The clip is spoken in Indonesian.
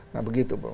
nah begitu bu